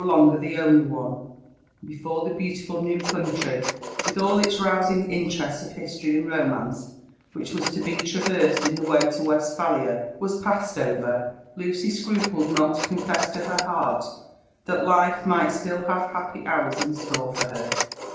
S63 longer the only ope, and before the beautiful new country, with all its rousing interests of histpry and romance, which was to be traversed in the way to Westphalia was passed over, Lucy scrupled not to confess tO'her heart that life might still have happy hours in store for her.